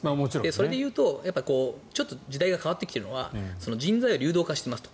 それでいうとちょっと時代が変わってきているのが人材が流動化していますと。